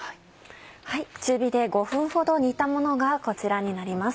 中火で５分ほど煮たものがこちらになります。